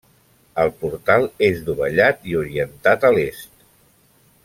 El portal és dovellat i orientat a l'Est.